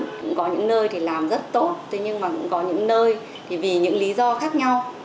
cũng có những nơi thì làm rất tốt thế nhưng mà cũng có những nơi thì vì những lý do khác nhau